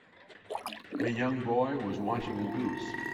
A young boy was watching a goose.